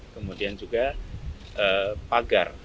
kemudian juga pagar